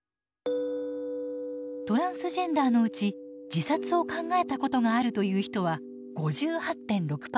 トランスジェンダーのうち自殺を考えたことがあるという人は５８．６％。